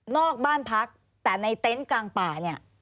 นอกบ้านพักแต่ในเต็นต์กลางป่า